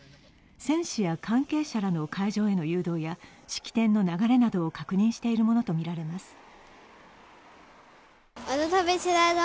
選手や関係者らの会場への誘導や式典の流れなどを確認しているものとみられます。